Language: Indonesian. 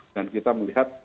dan kita melihat